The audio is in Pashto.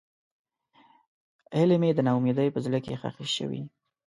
هیلې مې د نا امیدۍ په زړه کې ښخې شوې.